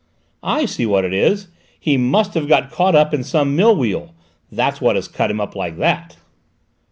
"I see what it is: he must have got caught in some mill wheel: that's what has cut him up like that."